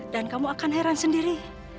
dan kamu akan heran sendiri